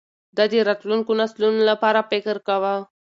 ده د راتلونکو نسلونو لپاره فکر کاوه.